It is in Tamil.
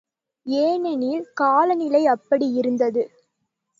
ஏனெனில் காலநிலை அப்படி இருந்தது.